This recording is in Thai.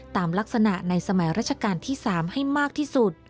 ตามลักษณะในสมัยราชการที่๓ให้มากที่สุด